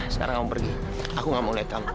sekarang kamu pergi aku gak mau lihat kamu